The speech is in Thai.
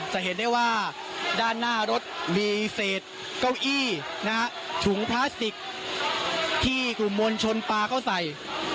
จะเห็นได้ว่าด้านหน้ารถมีเศษเก้าอี้นะฮะถุงพลาสติกที่กลุ่มมวลชนปลาเข้าใส่